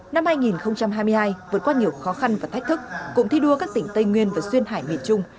năm hai nghìn hai mươi hai vượt qua nhiều khó khăn và thách thức cụm thi đua các tỉnh tây nguyên và duyên hải miền trung